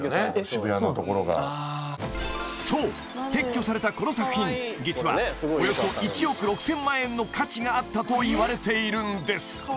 渋谷のところがそう撤去されたこの作品実はおよそ１億６０００万円の価値があったといわれているんです